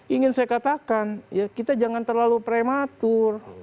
ingin saya katakan ya kita jangan terlalu prematur